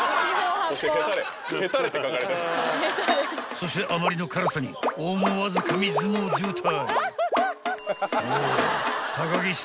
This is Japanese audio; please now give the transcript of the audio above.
［そしてあまりの辛さに思わず紙相撲状態］